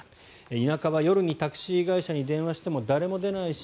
田舎は夜にタクシー会社に電話しても誰も出ないし